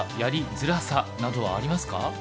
づらさなどはありますか？